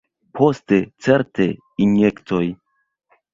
Poste, certe, injektoj.